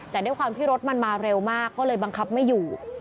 แต่ด้วยความที่รถมันมาเร็วมากก็เลยบังคับไม่อยู่